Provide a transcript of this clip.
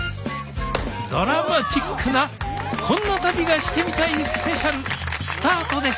ドラマチックな「こんな旅がしてみたいスペシャル」スタートです！